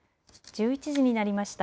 １１時になりました。